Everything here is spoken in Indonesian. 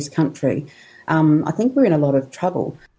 saya pikir kita dalam banyak masalah